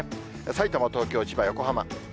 さいたま、東京、千葉、横浜。